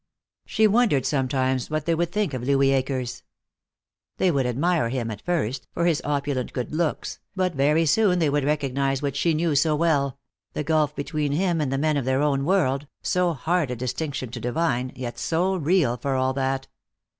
She wondered sometimes what they would think of Louis Akers. They would admire him, at first, for his opulent good looks, but very soon they would recognize what she knew so well the gulf between him and the men of their own world, so hard a distinction to divine, yet so real for all that.